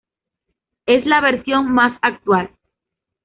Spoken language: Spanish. Es la versión más actual.